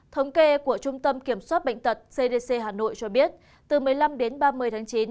thống kê của trung tâm kiểm soát bệnh tật cdc hà nội cho biết từ một mươi năm đến ba mươi tháng chín